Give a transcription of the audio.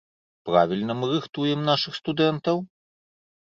Правільна мы рыхтуем нашых студэнтаў?